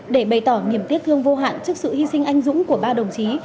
để bày tỏ niềm tiếc thương vô hạn trước sự hy sinh anh dũng của ba đồng chí